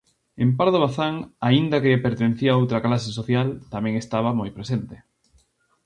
En Pardo Bazán, aínda que pertencía a outra clase social, tamén estaba moi presente.